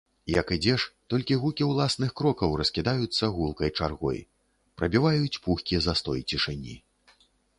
Як ідзеш, толькі гукі ўласных крокаў раскідаюцца гулкай чаргой, прабіваюць пухкі застой цішыні.